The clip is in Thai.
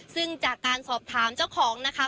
ซึ่งจากการสอบถามเจ้าของนะคะ